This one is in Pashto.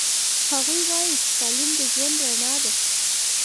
هغوی وایي چې تعلیم د ژوند رڼا ده